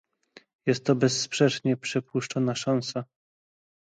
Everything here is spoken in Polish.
Jest to bezsprzecznie przepuszczona szansa